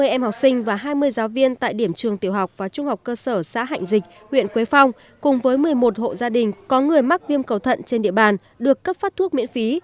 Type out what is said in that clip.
ba mươi em học sinh và hai mươi giáo viên tại điểm trường tiểu học và trung học cơ sở xã hạnh dịch huyện quế phong cùng với một mươi một hộ gia đình có người mắc viêm cầu thận trên địa bàn được cấp phát thuốc miễn phí